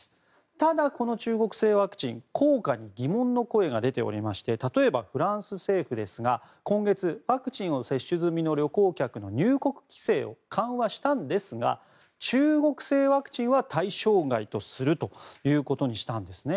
ただ、この中国製ワクチン効果に疑問の声が出ていまして例えばフランス政府ですが今月、ワクチンを接種済みの旅行客の入国規制を緩和したんですが中国製ワクチンは対象外とするということにしたんですね。